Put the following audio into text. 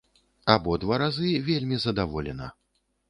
Абодва разы вельмі задаволена!